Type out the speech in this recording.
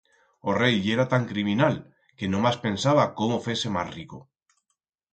O rei yera tan criminal que nomás pensaba cómo fer-se mas rico.